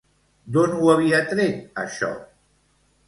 D'on ho havia tret això?